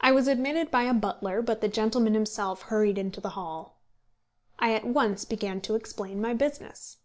I was admitted by a butler, but the gentleman himself hurried into the hall. I at once began to explain my business.